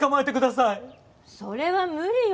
それは無理よ